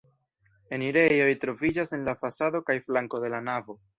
Enirejoj troviĝas en la fasado kaj flanko de la navo.